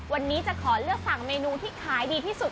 วันนี้จะขอเลือกสั่งเมนูที่ขายดีที่สุด